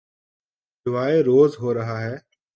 جو آئے روز ہو رہا ہے۔